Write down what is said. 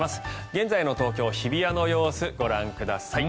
現在の東京・日比谷の様子ご覧ください。